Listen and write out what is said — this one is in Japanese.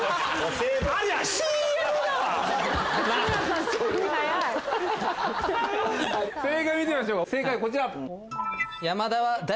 正解見てみましょうこちら。